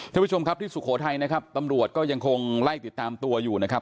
ท่านผู้ชมครับที่สุโขทัยนะครับตำรวจก็ยังคงไล่ติดตามตัวอยู่นะครับ